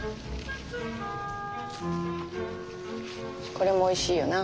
これもおいしいよな。